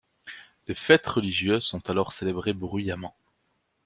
Les fêtes religieuses sont alors célébrées bruyamment.